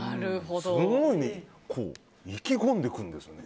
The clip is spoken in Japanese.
すごい意気込んでくるんですよね。